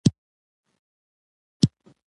ټول به له یوې مخې له منځه یوسي، د همدې کاروان.